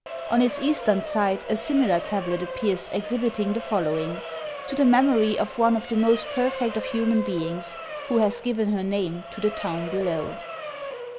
On its eastern side a similar tablet appears exhibiting the following: "To the memory of one of the most perfect of human beings, who has given her name to the town below."